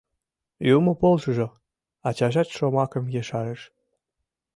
— Юмо полшыжо! — ачажат шомакым ешарыш.